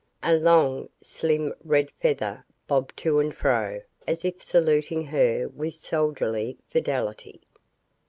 A long, slim red feather bobbed to and fro as if saluting her with soldierly fidelity.